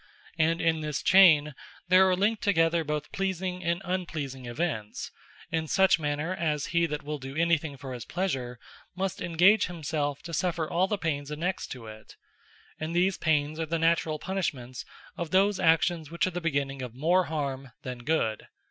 And in this Chayn, there are linked together both pleasing and unpleasing events; in such manner, as he that will do any thing for his pleasure, must engage himselfe to suffer all the pains annexed to it; and these pains, are the Naturall Punishments of those actions, which are the beginning of more Harme that Good.